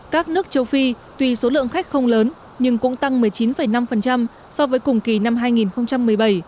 các nước châu phi tuy số lượng khách không lớn nhưng cũng tăng một mươi chín năm so với cùng kỳ năm hai nghìn một mươi bảy